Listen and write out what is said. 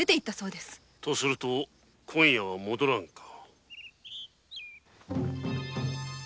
とすると今夜は戻らぬか。